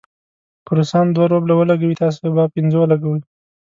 که روسان دوه روبله ولګوي، تاسې به پنځه ولګوئ.